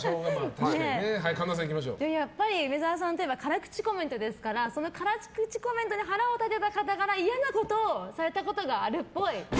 梅沢さんといえば辛口コメントですから辛口コメントで腹を立てた方から嫌なことをされたことがあるっぽい。